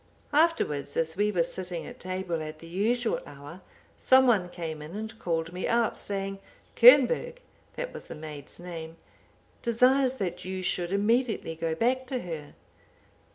Afterwards, as we were sitting at table, at the usual hour, some one came in and called me out, saying, 'Quoenburg' (that was the maid's name) 'desires that you should immediately go back to her.